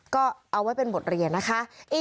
ก็เอาไว้เป็นบทเรียนนะคะ